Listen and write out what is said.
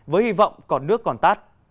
với hy vọng còn nước còn tát